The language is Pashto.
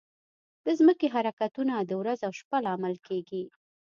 د ځمکې حرکتونه د ورځ او شپه لامل کېږي.